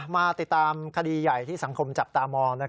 มาติดตามคดีใหญ่ที่สังคมจับตามอง